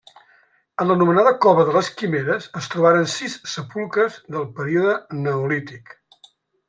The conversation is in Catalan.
En l'anomenada cova de les Quimeres es trobaren sis sepulcres del període neolític.